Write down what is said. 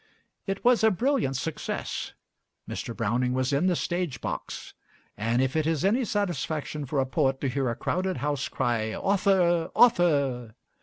It was a brilliant success. Mr. Browning was in the stage box; and if it is any satisfaction for a poet to hear a crowded house cry "Author, author!"